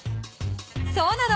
そうなの。